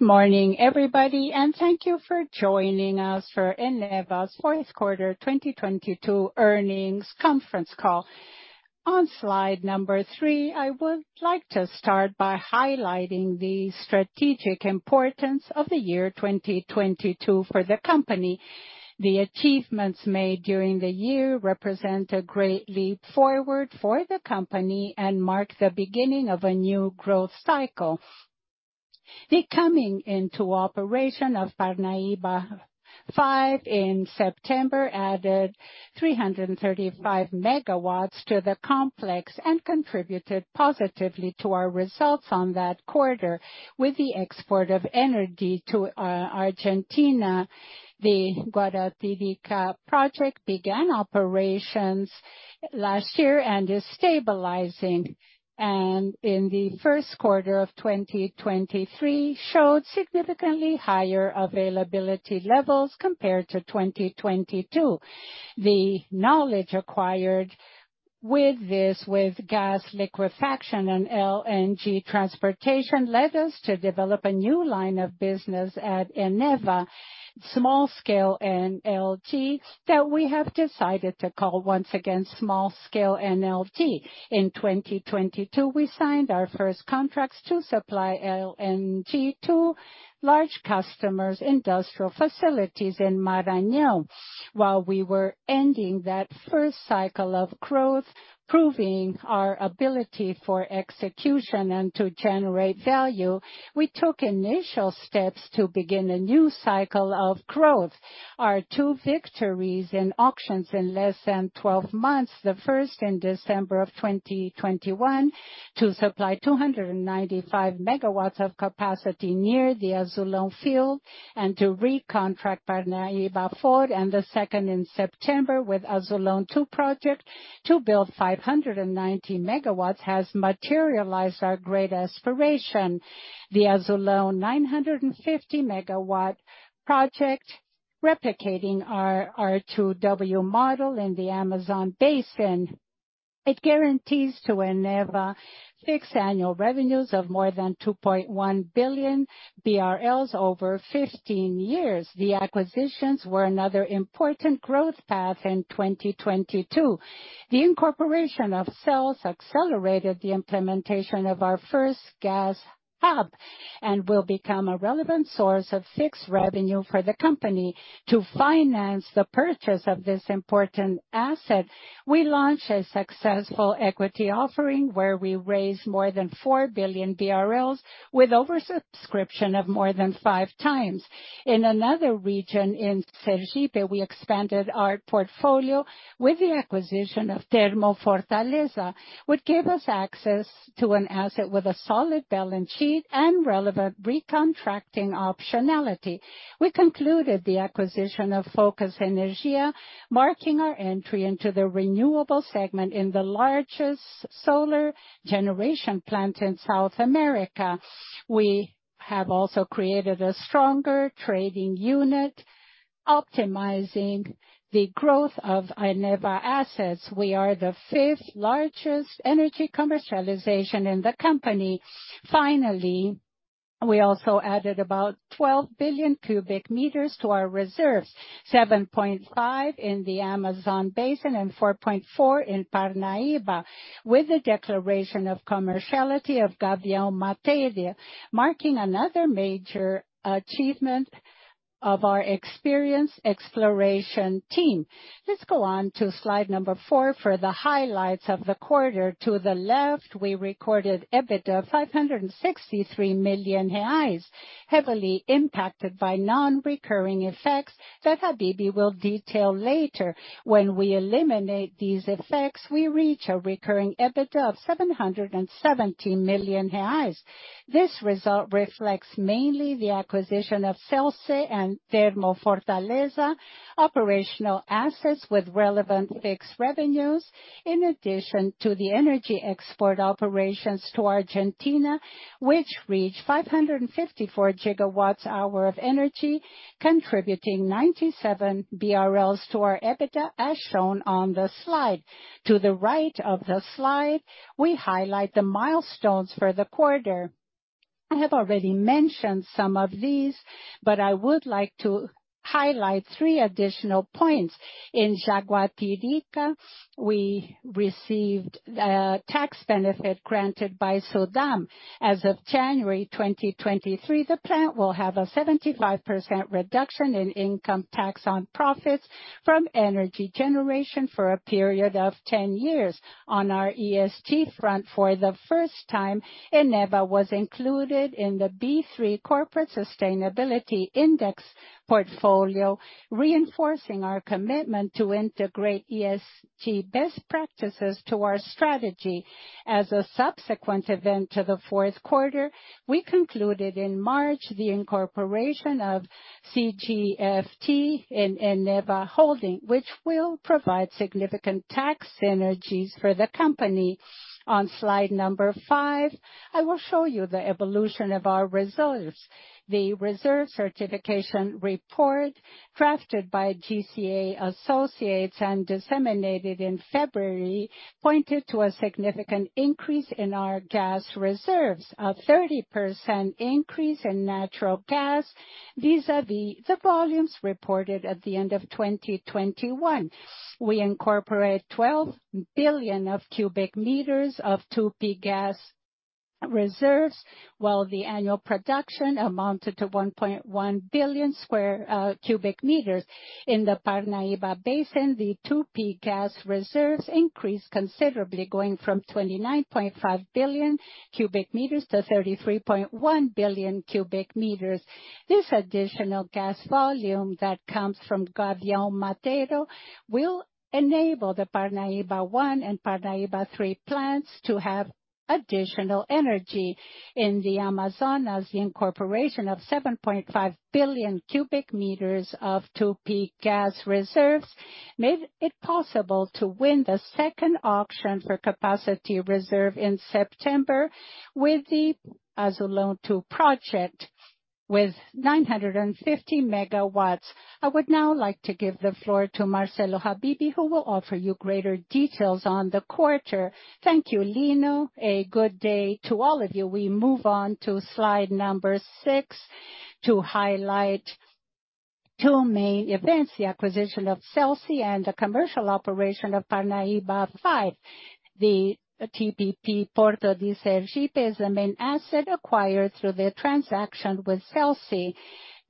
Good morning, everybody, and thank you for joining us for Eneva's Q4 2022 earnings conference call. On slide number 3, I would like to start by highlighting the strategic importance of the year 2022 for the company. The achievements made during the year represent a great leap forward for the company and mark the beginning of a new growth cycle. The coming into operation of Parnaíba 5 in September added 335 megawatts to the complex and contributed positively to our results on that quarter with the export of energy to Argentina. The Jaguatirica project began operations last year and is stabilizing. In the Q1 of 2023, showed significantly higher availability levels compared to 2022. The knowledge acquired with this, with gas liquefaction and LNG transportation, led us to develop a new line of business at Eneva, small-scale LNG, that we have decided to call once again small-scale LNG. In 2022, we signed our first contracts to supply LNG to large customers, industrial facilities in Maranhão. While we were ending that first cycle of growth, proving our ability for execution and to generate value, we took initial steps to begin a new cycle of growth. Our 2 victories in auctions in less than 12 months, the first in December of 2021 to supply 295 megawatts of capacity near the Azulão field and to recontract Parnaíba 4, and the second in September with Azulão 2 project to build 590 megawatts has materialized our great aspiration. The Azulão 950 megawatt project replicating our R2W model in the Amazon basin. It guarantees to Eneva fixed annual revenues of more than 2.1 billion BRL over 15 years. The acquisitions were another important growth path in 2022. The incorporation of Celse accelerated the implementation of our first gas hub, and will become a relevant source of fixed revenue for the company. To finance the purchase of this important asset, we launched a successful equity offering where we raised more than 4 billion BRL with over-subscription of more than 5 times. In another region in Sergipe, we expanded our portfolio with the acquisition of Termofortaleza, which gave us access to an asset with a solid balance sheet and relevant recontracting optionality. We concluded the acquisition of Focus Energia, marking our entry into the renewable segment in the largest solar generation plant in South America. We have also created a stronger trading unit, optimizing the growth of Eneva assets. We are the fifth-largest energy commercialization in the company. Finally, we also added about 12 billion cubic meters to our reserves, 7.5 in the Amazon basin and 4.4 in Parnaíba, with the declaration of commerciality of Gavião Mateiro, marking another major achievement of our experienced exploration team. Let's go on to slide number four for the highlights of the quarter. To the left, we recorded EBITDA of 563 million reais, heavily impacted by non-recurring effects that Habibe will detail later. When we eliminate these effects, we reach a recurring EBITDA of 770 million reais. This result reflects mainly the acquisition of Celse and Termofortaleza operational assets with relevant fixed revenues, in addition to the energy export operations to Argentina, which reached 554 gigawatts hour of energy, contributing 97 BRL to our EBITDA as shown on the slide. To the right of the slide, we highlight the milestones for the quarter. I have already mentioned some of these, but I would like to highlight three additional points. In Jaguatirica, we received a tax benefit granted by SUDAM. As of January 2023, the plant will have a 75% reduction in income tax on profits from energy generation for a period of 10 years. On our ESG front for the first time, Eneva was included in the B3 Corporate Sustainability Index portfolio, reinforcing our commitment to integrate ESG best practices to our strategy. A subsequent event to the Q4 we concluded in March the incorporation of CGFT in Eneva Holding, which will provide significant tax synergies for the company. On slide number 5, I will show you the evolution of our results. The reserve certification report crafted by GCA Associates and disseminated in February pointed to a significant increase in our gas reserves, a 30% increase in natural gas, vis-a-vis the volumes reported at the end of 2021. We incorporate 12 billion of cubic meters of 2P gas reserves, while the annual production amounted to 1.1 billion cubic meters. In the Parnaíba Basin, the 2P gas reserves increased considerably, going from 29.5 billion cubic meters to 33.1 billion cubic meters. This additional gas volume that comes from Gavião Mateiro will enable the Parnaíba 1 and Parnaíba 3 plants to have additional energy. In the Amazonas, the incorporation of 7.5 billion cubic meters of 2P gas reserves made it possible to win the second auction for capacity reserve in September with the Azulão two project with 950 megawatts. I would now like to give the floor to Marcelo Habibe, who will offer you greater details on the quarter. Thank you, Lino. A good day to all of you. We move on to slide number 6 to highlight two main events, the acquisition of Celse and the commercial operation of Parnaíba 5. The TPP Porto do Sergipe is the main asset acquired through the transaction with Celse.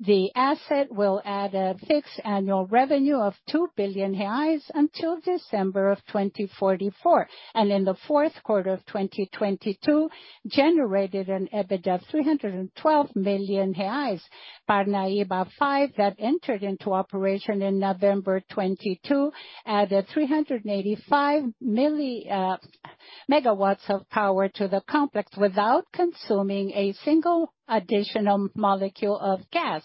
The asset will add a fixed annual revenue of 2 billion reais until December 2044, and in Q4 2022, generated an EBITDA of 312 million reais. Parnaíba 5, that entered into operation in November 2022, added 385 megawatts of power to the complex without consuming a single additional molecule of gas.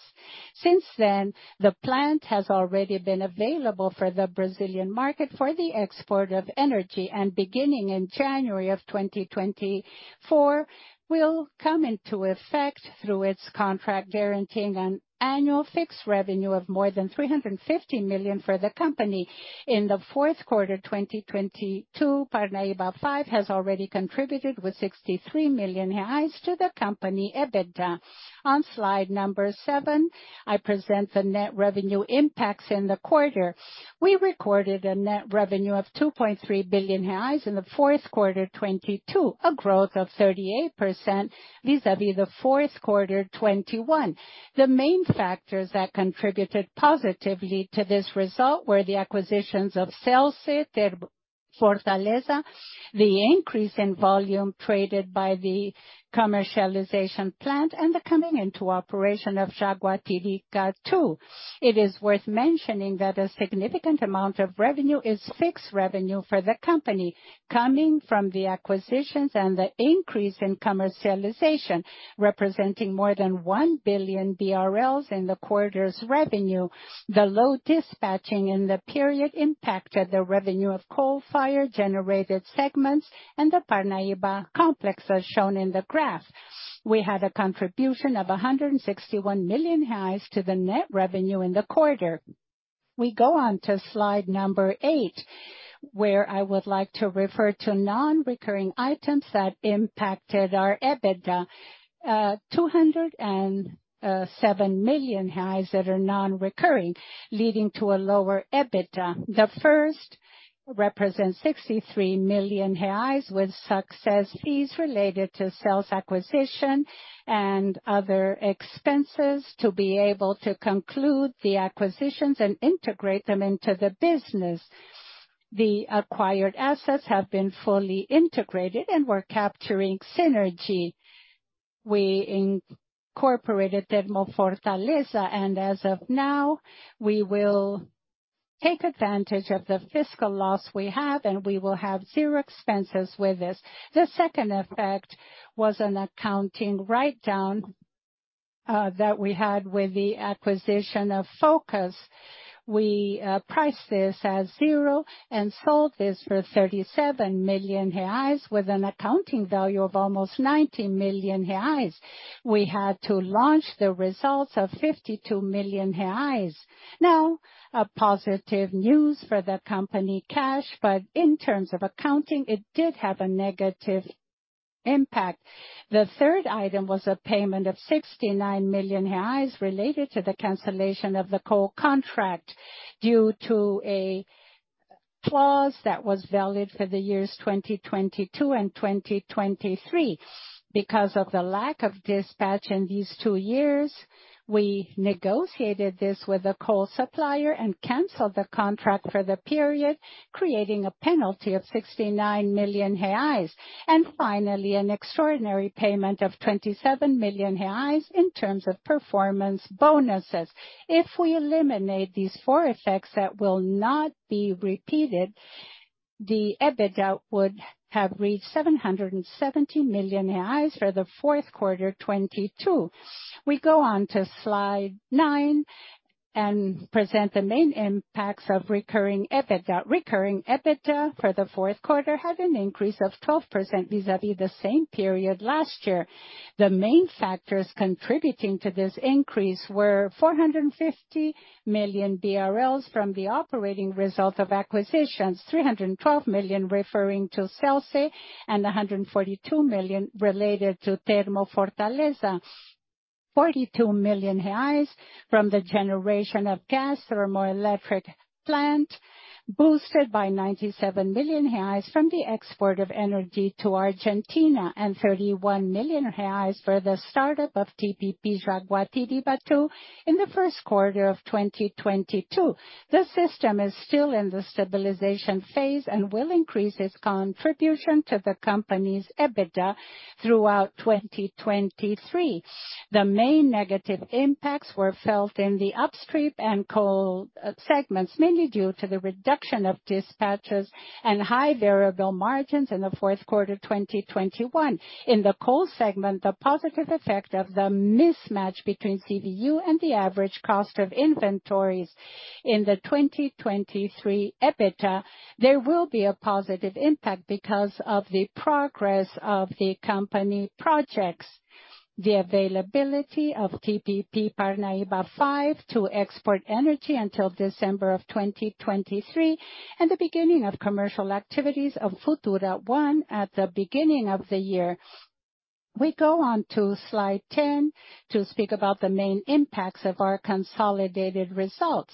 Since then, the plant has already been available for the Brazilian market for the export of energy, and beginning in January 2024, will come into effect through its contract, guaranteeing an annual fixed revenue of more than 350 million for the company. In the Q4 2022, Parnaíba 5 has already contributed with 63 million reais to the company EBITDA. On slide number 7, I present the net revenue impacts in the quarter. We recorded a net revenue of 2.3 billion in the Q4 2022, a growth of 38% vis-à-vis the Q4 2021. The main factors that contributed positively to this result were the acquisitions of Celse, Termofortaleza, the increase in volume traded by the commercialization plant, and the coming into operation of Jaguatirica II. It is worth mentioning that a significant amount of revenue is fixed revenue for the company, coming from the acquisitions and the increase in commercialization, representing more than 1 billion BRL in the quarter's revenue. The low dispatching in the period impacted the revenue of coal-fired generated segments and the Parnaíba complex, as shown in the graph. We had a contribution of 161 million to the net revenue in the quarter. We go on to slide number eight, where I would like to refer to non-recurring items that impacted our EBITDA. 207 million that are non-recurring, leading to a lower EBITDA. The first represents 63 million reais with success fees related to sales acquisition and other expenses to be able to conclude the acquisitions and integrate them into the business. The acquired assets have been fully integrated and we're capturing synergy. We incorporated Termofortaleza and as of now, we will take advantage of the fiscal loss we have, and we will have zero expenses with this. The second effect was an accounting write-down that we had with the acquisition of Focus. We priced this as zero and sold this for 37 million reais with an accounting value of almost 90 million reais. We had to launch the results of 52 million reais. Now, a positive news for the company cash, but in terms of accounting, it did have a negative impact. The third item was a payment of 69 million reais related to the cancellation of the coal contract due to a clause that was valid for the years 2022 and 2023. Because of the lack of dispatch in these two years, we negotiated this with the coal supplier and canceled the contract for the period, creating a penalty of 69 million reais. Finally, an extraordinary payment of 27 million reais in terms of performance bonuses. If we eliminate these four effects that will not be repeated, the EBITDA would have reached 770 million reais for the Q4, 2022. We go on to slide 9 and present the main impacts of recurring EBITDA. Recurring EBITDA for the Q4 had an increase of 12% vis-à-vis the same period last year. The main factors contributing to this increase were 450 million BRL from the operating result of acquisitions, 312 million referring to Celse, and 142 million related to Termofortaleza. 42 million reais from the generation of gas thermal electric plant, boosted by 97 million reais from the export of energy to Argentina, and 31 million reais for the startup of TPP Jaguatirica II in the Q1 of 2022. The system is still in the stabilization phase and will increase its contribution to the company's EBITDA throughout 2023. The main negative impacts were felt in the upstream and coal segments, mainly due to the reduction of dispatches and high variable margins in Q4 2021. In the coal segment, the positive effect of the mismatch between CDU and the average cost of inventories in the 2023 EBITDA. There will be a positive impact because of the progress of the company projects, the availability of TPP Parnaíba 5 to export energy until December of 2023, and the beginning of commercial activities of Futura 1 at the beginning of the year. We go on to slide 10 to speak about the main impacts of our consolidated results.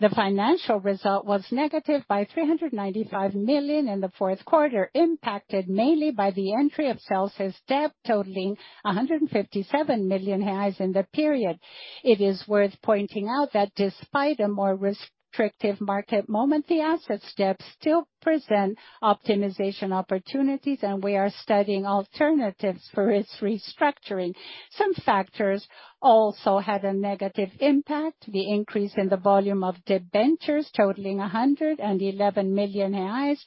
The financial result was negative by 395 million in the Q4, impacted mainly by the entry of Celse's debt totaling 157 million in the period. It is worth pointing out that despite a more restrictive market moment, the assets debt still present optimization opportunities, and we are studying alternatives for its restructuring. Some factors also had a negative impact. The increase in the volume of debentures totaling 111 million reais.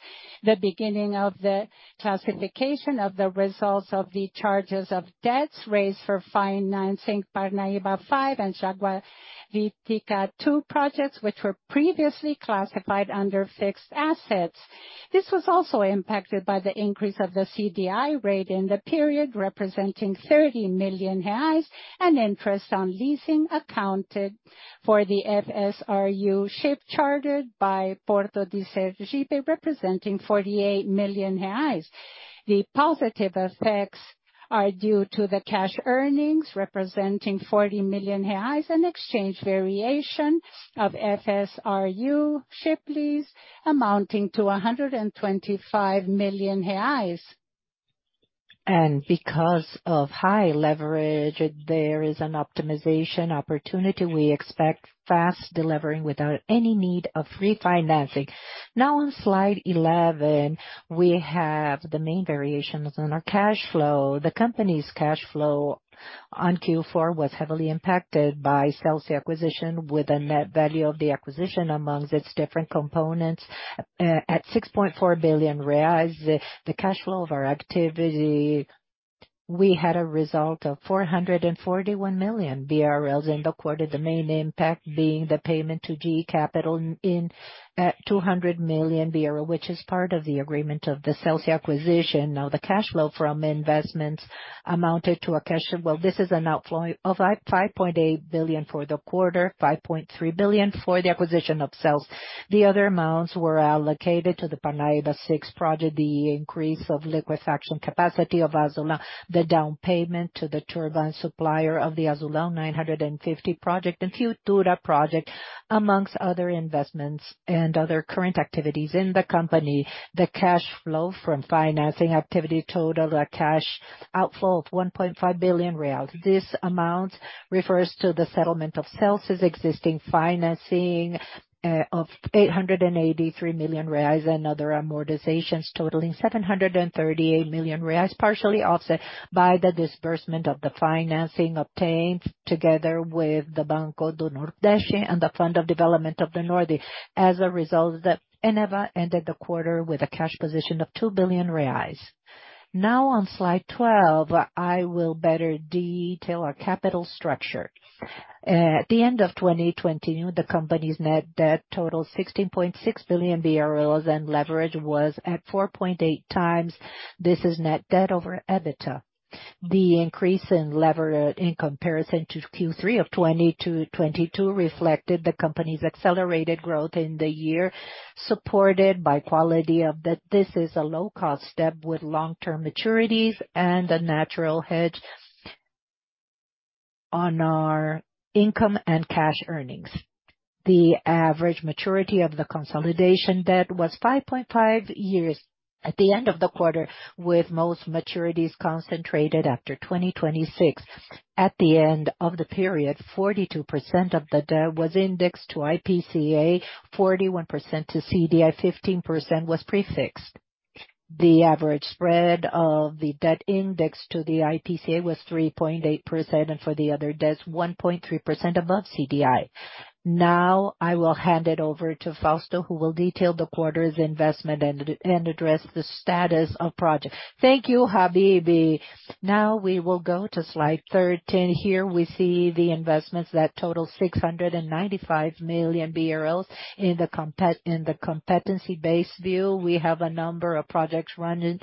The beginning of the classification of the results of the charges of debts raised for financing Parnaíba 5 and Jaguatirica II projects, which were previously classified under fixed assets. This was also impacted by the increase of the CDI rate in the period, representing 30 million reais, and interest on leasing accounted for the FSRU ship chartered by Porto de Sergipe, representing 48 million reais. The positive effects are due to the cash earnings representing 40 million reais and exchange variation of FSRU ship lease amounting to 125 million reais. Because of high leverage, there is an optimization opportunity. We expect fast delivering without any need of refinancing. On slide 11, we have the main variations on our cash flow. The company's cash flow on Q4 was heavily impacted by Celse acquisition, with a net value of the acquisition amongst its different components, at 6.4 billion reais. The cash flow of our activity, we had a result of 441 million BRL in the quarter. The main impact being the payment to GE Capital at 200 million, which is part of the agreement of the Celse acquisition. The cash flow from investments amounted to this is an outflow of 5.8 billion for the quarter, 5.3 billion for the acquisition of Celse. The other amounts were allocated to the Parnaíba six project, the increase of liquefaction capacity of Azulão, the down payment to the turbine supplier of the Azulão 950 project, and Futura project, amongst other investments and other current activities in the company. The cash flow from financing activity totaled a cash outflow of 1.5 billion real. This amount refers to the settlement of Celse's existing financing of 883 million reais and other amortizations totaling 738 million reais, partially offset by the disbursement of the financing obtained together with the Banco do Nordeste and the Fund of Development of the Northeast. As a result, the Eneva ended the quarter with a cash position of 2 billion reais. Now on slide 12, I will better detail our capital structure. At the end of 2020, the company's net debt totaled 16.6 billion, and leverage was at 4.8 times. This is net debt over EBITDA. The increase in leverage in comparison to Q3 of 2022 reflected the company's accelerated growth in the year, supported by quality of debt. This is a low cost debt with long term maturities and a natural hedge on our income and cash earnings. The average maturity of the consolidation debt was 5.5 years at the end of the quarter, with most maturities concentrated after 2026. At the end of the period, 42% of the debt was indexed to IPCA, 41% to CDI, 15% was prefixed. The average spread of the debt index to the IPCA was 3.8%, and for the other debts, 1.3% above CDI. I will hand it over to Fausto, who will detail the quarter's investment and address the status of project. Thank you, Habibe. Now we will go to slide 13. Here we see the investments that total 695 million BRL. In the competency based view, we have a number of projects running,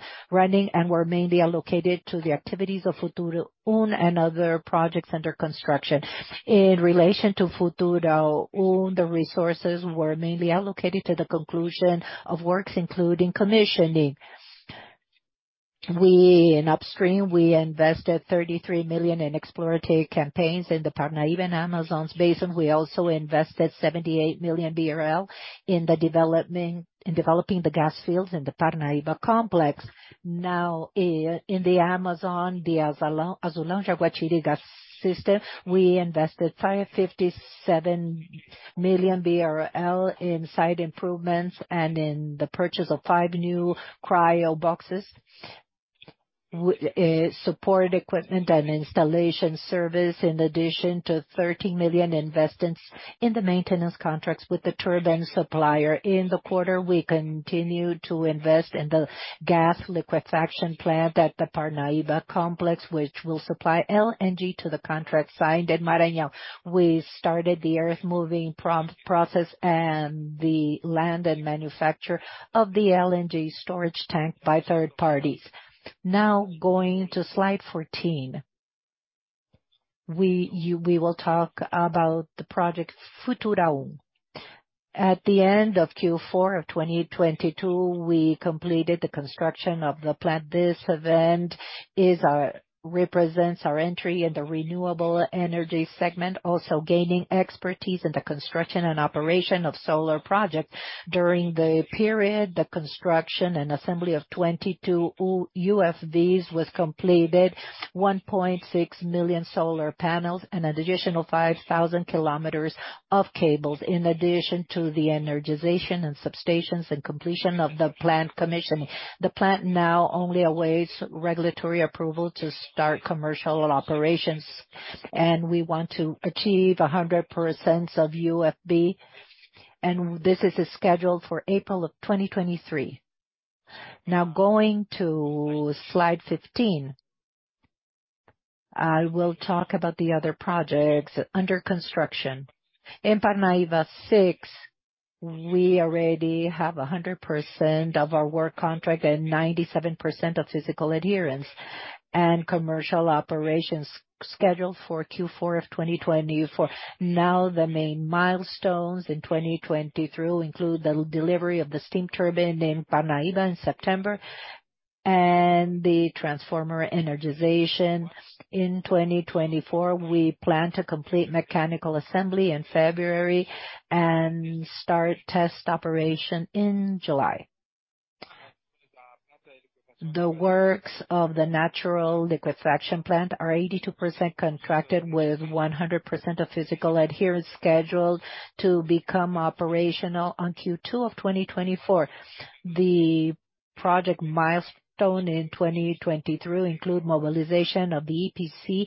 and were mainly allocated to the activities of Futura 1 and other projects under construction. In relation to Futura 1, the resources were mainly allocated to the conclusion of works including commissioning. In upstream, we invested 33 million in exploratory campaigns in the Parnaíba Amazon's basin. We also invested 78 million BRL in developing the gas fields in the Parnaíba complex. In the Amazon, the Azulão Jaguatirica system, we invested 557 million BRL in site improvements and in the purchase of five new Cryoboxes, support equipment and installation service, in addition to 13 million investments in the maintenance contracts with the turbine supplier. In the quarter, we continued to invest in the gas liquefaction plant at the Parnaíba complex, which will supply LNG to the contract signed at Maranhão. We started the earth-moving process and the land and manufacture of the LNG storage tank by third parties. Going to slide 14. We will talk about the project Futura 1. At the end of Q4 of 2022, we completed the construction of the plant. This event represents our entry in the renewable energy segment, also gaining expertise in the construction and operation of solar projects. During the period, the construction and assembly of 22 UFDs was completed, 1.6 million solar panels and an additional 5,000 km of cables, in addition to the energization and substations and completion of the plant commissioning. The plant now only awaits regulatory approval to start commercial operations, and we want to achieve 100% of UFD, and this is scheduled for April of 2023. Going to slide 15. I will talk about the other projects under construction. In Parnaíba 6, we already have 100% of our work contract and 97% of physical adherence, and commercial operations scheduled for Q4 of 2024. The main milestones in 2023 will include the delivery of the steam turbine in Parnaíba in September and the transformer energization. In 2024, we plan to complete mechanical assembly in February and start test operation in July. The works of the natural liquefaction plant are 82% contracted with 100% of physical adherence scheduled to become operational on Q2 of 2024. The project milestone in 2023 includes mobilization of the EPC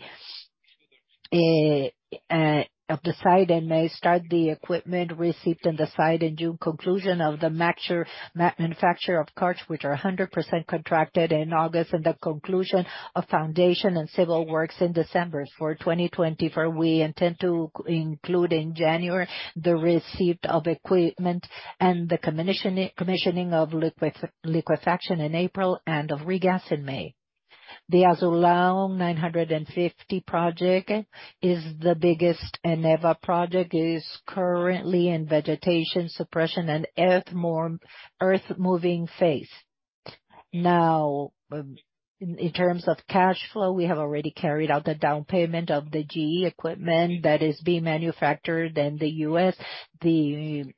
of the site, and they start the equipment received on the site in June, conclusion of the manufacture of carts, which are 100% contracted in August, and the conclusion of foundation and civil works in December. For 2024, we intend to include in January the receipt of equipment and the commissioning of liquefaction in April and of regas in May. The Azulão 950 project is the biggest Eneva project. It is currently in vegetation suppression and earth-moving phase. In terms of cash flow, we have already carried out the down payment of the GE equipment that is being manufactured in the US. The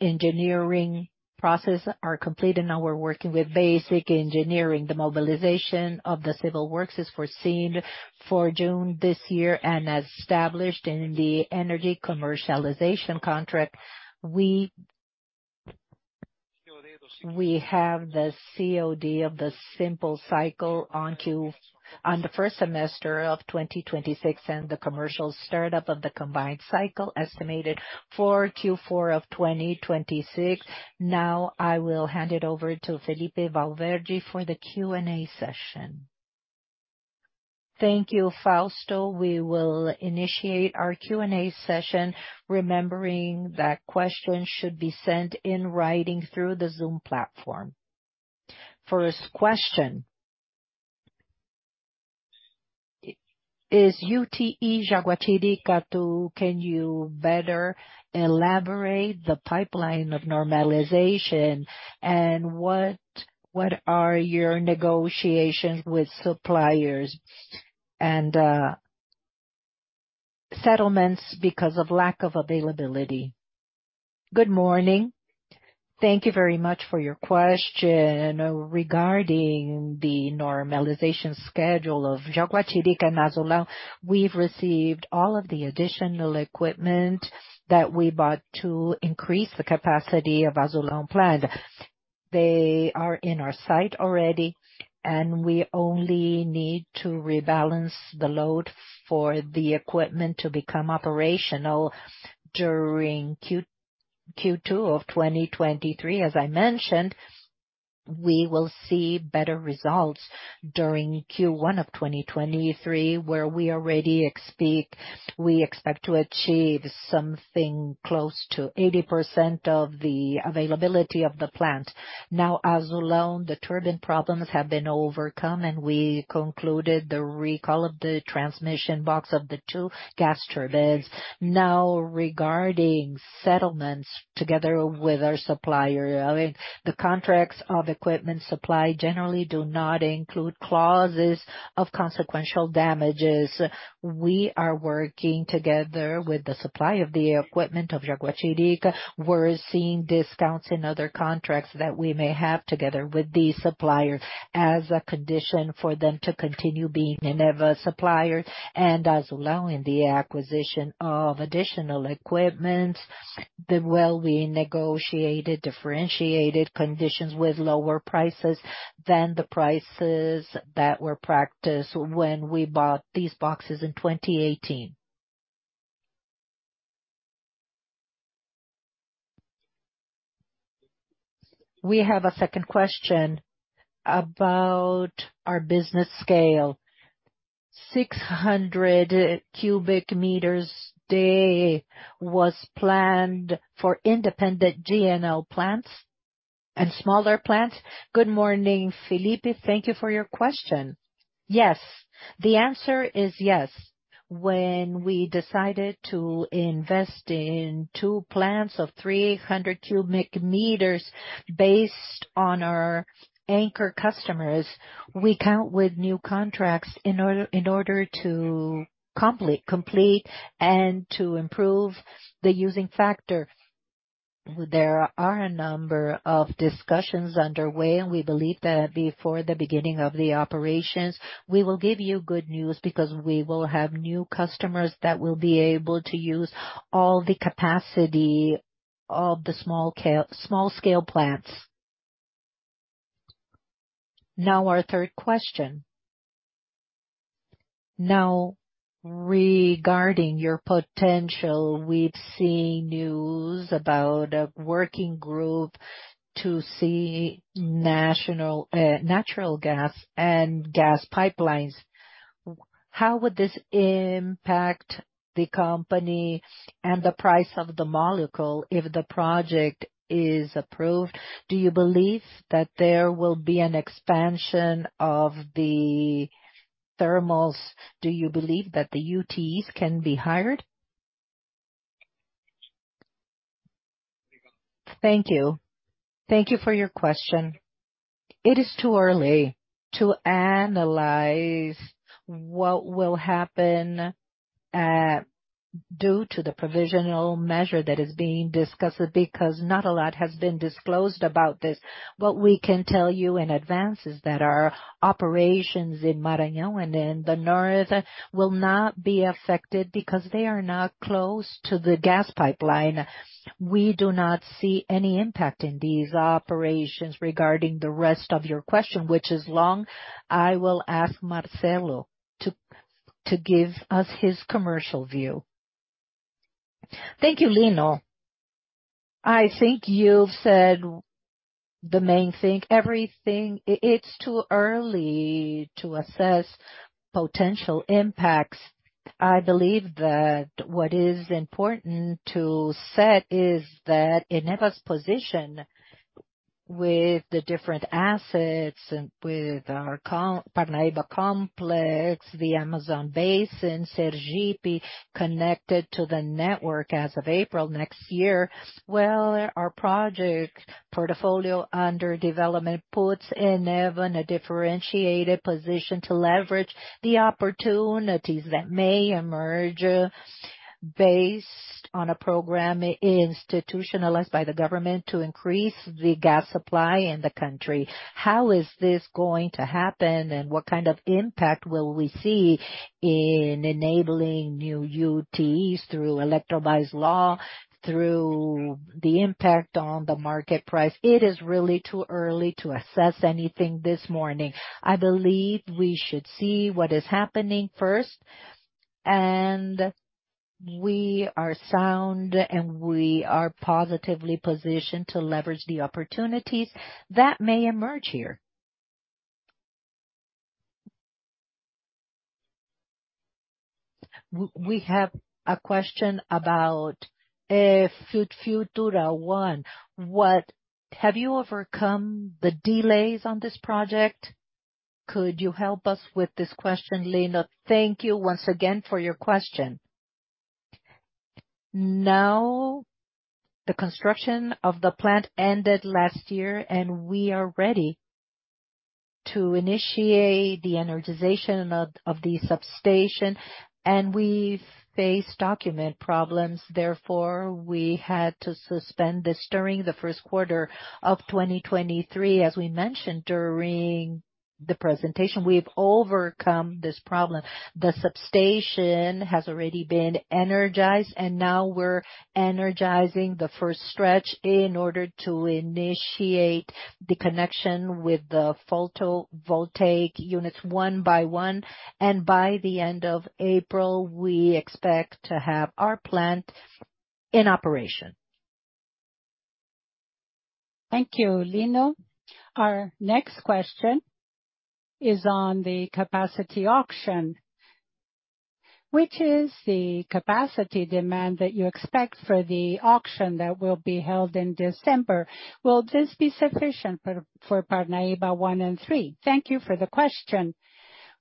engineering process are complete and we're working with basic engineering. The mobilization of the civil works is foreseen for June this year. As established in the energy commercialization contract, we have the COD of the simple cycle on the 1st semester of 2026 and the commercial startup of the combined cycle estimated for Q4 of 2026. I will hand it over to Felippe Valverde for the Q&A session. Thank you, Fausto. We will initiate our Q&A session, remembering that questions should be sent in writing through the Zoom platform. First question. Is UTE Jaguatirica II, can you better elaborate the pipeline of normalization and what are your negotiations with suppliers and settlements because of lack of availability? Good morning. Thank you very much for your question. Regarding the normalization schedule of Jaguatirica II and Azulão, we've received all of the additional equipment that we bought to increase the capacity of Azulão plant. They are in our site already, we only need to rebalance the load for the equipment to become operational during Q2 of 2023, as I mentioned, we will see better results during Q1 of 2023, where We expect to achieve something close to 80% of the availability of the plant. Azulão, the turbine problems have been overcome, and we concluded the recall of the transmission box of the two gas turbines. Now regarding settlements together with our supplier. I mean, the contracts of equipment supply generally do not include clauses of consequential damages. We are working together with the supply of the equipment of Jaguatirica. We're seeing discounts in other contracts that we may have together with the supplier as a condition for them to continue being an Eneva's supplier and as allowing the acquisition of additional equipment. Well, we negotiated differentiated conditions with lower prices than the prices that were practiced when we bought these boxes in 2018. We have a second question about our business scale. 600 cubic meters day was planned for independent GNL plants and smaller plants. Good morning, Philippe. Thank you for your question. Yes. The answer is yes. When we decided to invest in two plants of 300 cubic meters based on our anchor customers, we count with new contracts in order to complete and to improve the using factor. There are a number of discussions underway. We believe that before the beginning of the operations, we will give you good news because we will have new customers that will be able to use all the capacity of the small-scale plants. Our third question. Regarding your potential, we've seen news about a working group to see national natural gas and gas pipelines. How would this impact the company and the price of the molecule if the project is approved? Do you believe that there will be an expansion of the thermals? Do you believe that the UTs can be hired? Thank you for your question. It is too early to analyze what will happen due to the provisional measure that is being discussed because not a lot has been disclosed about this. What we can tell you in advance is that our operations in Maranhão and in the north will not be affected because they are not close to the gas pipeline. We do not see any impact in these operations. Regarding the rest of your question, which is long, I will ask Marcelo to give us his commercial view. Thank you, Lino. I think you've said the main thing. It's too early to assess potential impacts. I believe that what is important to set is that Eneva's position with the different assets and with our Parnaíba complex, the Amazon Basin, Sergipe, connected to the network as of April next year. Well, our project portfolio under development puts Eneva in a differentiated position to leverage the opportunities that may emerge based on a program institutionalized by the government to increase the gas supply in the country. How is this going to happen, and what kind of impact will we see in enabling new UTEs through Lei das Eleições, through the impact on the market price? It is really too early to assess anything this morning. I believe we should see what is happening first, and we are sound, and we are positively positioned to leverage the opportunities that may emerge here. We have a question about Futura 1. Have you overcome the delays on this project? Could you help us with this question, Lino? Thank you once again for your question. The construction of the plant ended last year, we are ready to initiate the energization of the substation. We faced document problems, therefore, we had to suspend this during the Q1 of 2023. As we mentioned during the presentation, we've overcome this problem. The substation has already been energized, and now we're energizing the first stretch in order to initiate the connection with the photovoltaic units one by one. By the end of April, we expect to have our plant in operation. Thank you, Lino. Our next question is on the capacity auction. Which is the capacity demand that you expect for the auction that will be held in December? Will this be sufficient for Parnaíba 1 and 3? Thank you for the question.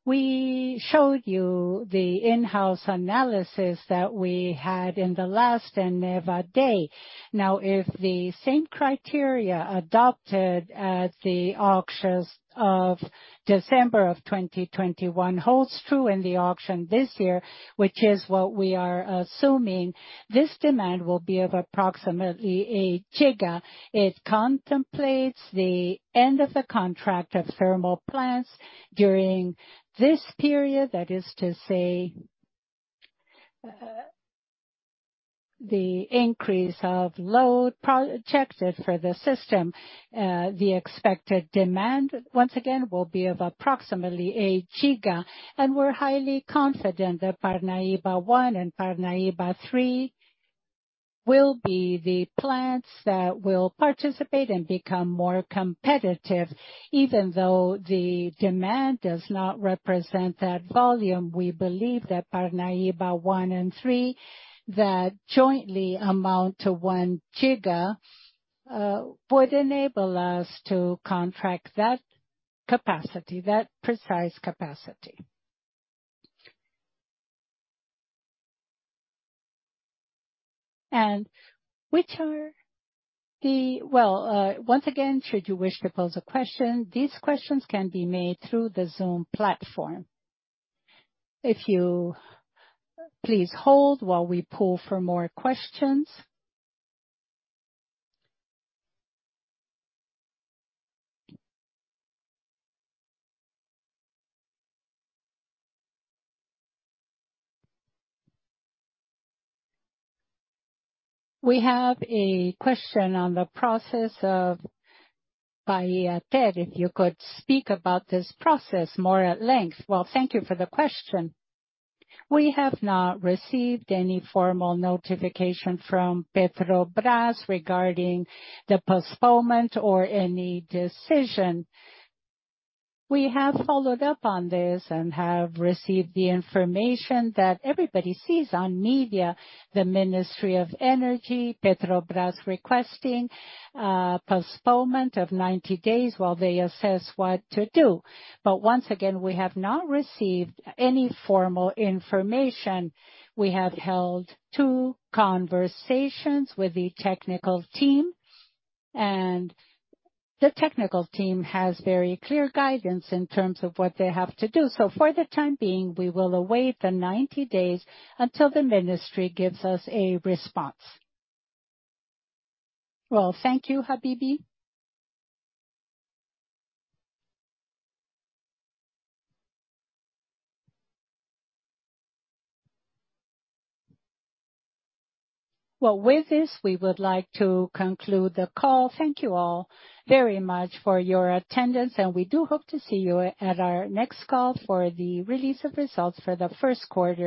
We showed you the in-house analysis that we had in the last Eneva day. If the same criteria adopted at the auctions of December of 2021 holds true in the auction this year, which is what we are assuming, this demand will be of approximately 1 giga. It contemplates the end of the contract of thermal plants during this period. That is to say, the increase of load projected for the system. The expected demand once again will be of approximately 1 giga. We're highly confident that Parnaíba 1 and Parnaíba 3 will be the plants that will participate and become more competitive. Even though the demand does not represent that volume, we believe that Parnaíba 1 and 3, that jointly amount to 1 giga, would enable us to contract that capacity, that precise capacity. Once again, should you wish to pose a question, these questions can be made through the Zoom platform. If you please hold while we poll for more questions. We have a question on the process of Bahia Terra. If you could speak about this process more at length. Thank you for the question. We have not received any formal notification from Petrobras regarding the postponement or any decision. We have followed up on this and have received the information that everybody sees on media, the Ministry of Mines and Energy, Petrobras requesting postponement of 90 days while they assess what to do. Once again, we have not received any formal information. We have held two conversations with the technical team, and the technical team has very clear guidance in terms of what they have to do. For the time being, we will await the 90 days until the ministry gives us a response. Thank you, Habibe. With this, we would like to conclude the call. Thank you all very much for your attendance, and we do hope to see you at our next call for the release of results for the first quarter.